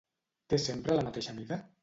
Té sempre la mateixa mida?